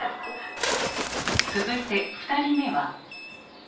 続いて２人目は。